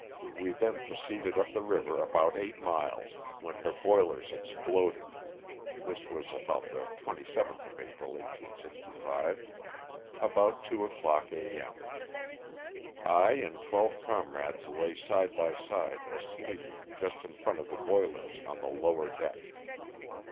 We then proceeded up the river about eight miles, when her boilers exploded (this was about the 27th of April, 1865) about two o'clock a. m. I and twelve comrades lay side by side asleep, just in front of the boilers, on the lower deck.